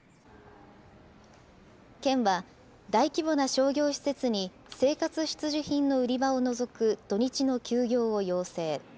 県は大規模な商業施設に生活必需品の売り場を除く土日の休業を要請。